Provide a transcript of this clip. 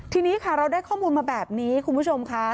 ทีนี้ค่ะเราได้ข้อมูลมาแบบนี้คุณผู้ชมค่ะ